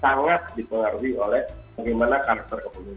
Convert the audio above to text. sangat dipengaruhi oleh bagaimana karakter kepemiluan